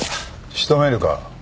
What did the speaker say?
仕留めるか？